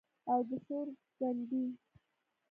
او د شور ګنډي